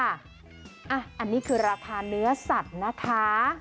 อันนี้คือราคาเนื้อสัตว์นะคะ